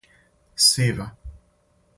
Сива